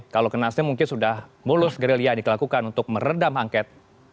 kalau kenasnya mungkin sudah mulus gerindra yang dikelakukan untuk meredam angket